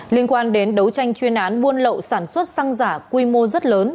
liên quan đến đấu tranh chuyên án buôn lậu sản xuất xăng giả quy mô rất lớn